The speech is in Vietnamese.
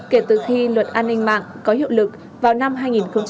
kể từ khi luật an ninh mạng có hiệu lực vào năm hai nghìn một mươi năm